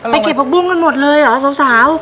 เก็บผักบุ้งกันหมดเลยเหรอสาว